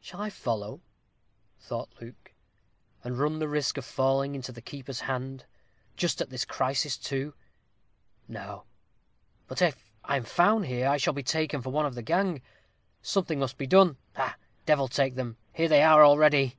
"Shall I follow," thought Luke, "and run the risk of falling into the keeper's hand, just at this crisis, too? No, but if I am found here, I shall be taken for one of the gang. Something must be done ha! devil take them, here they are already."